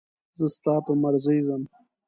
زه ستا په مرضي ځم.